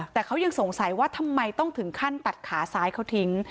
แต่เขายังสงสัยว่าทำไมต้องถึงขั้นตัดขาซ้ายเขาทิ้ง